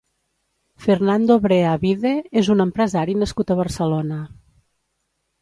Fernando Brea Vide és un empresari nascut a Barcelona.